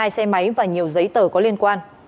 hai xe máy và nhiều giấy tờ có liên quan